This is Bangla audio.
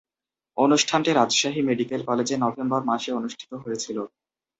অনুষ্ঠানটি রাজশাহী মেডিকেল কলেজে নভেম্বর মাসে অনুষ্ঠিত হয়েছিলো।